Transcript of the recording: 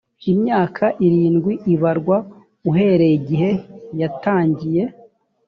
imyaka irindwi ibarwa uhereye igihe yatangiye